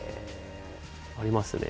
ありますね。